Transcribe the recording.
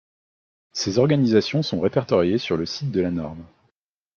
Ces organisations sont répertoriées sur le site de la norme.